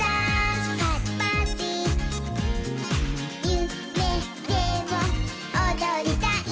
「ゆめでもおどりたい」